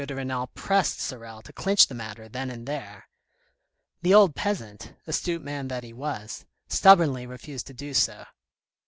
de Renal pressed Sorel to clinch the matter then and there. The old peasant, astute man that he was, stubbornly refused to do so.